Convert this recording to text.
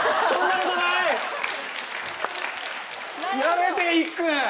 やめていっくん！